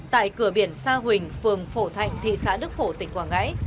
tại cửa biển sa huỳnh phường phổ thạnh thị xã đức phổ tỉnh quảng ngãi